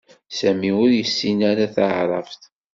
Sami ur yessin ara Taɛrabt